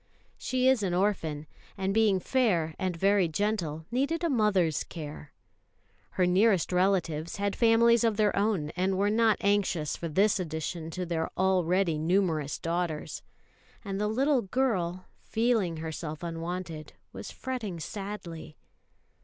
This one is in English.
She is an orphan; and being "fair" and very gentle, needed a mother's care. Her nearest relatives had families of their own, and were not anxious for this addition to their already numerous daughters; and the little girl, feeling herself unwanted, was fretting sadly.